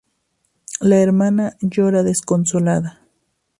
La hermana llora desconsolada.